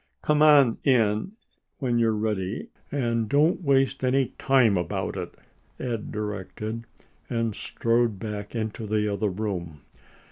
"Come on in when you're ready and don't waste any time about it," Ed directed, and strode back into the other room.